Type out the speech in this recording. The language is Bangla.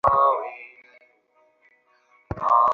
তিনি আরও তিন উইকেট নিয়ে খেলায় সেরা বোলিং পরিসংখ্যান দাঁড় করান।